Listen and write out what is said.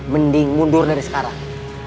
mending mundur dari sekarang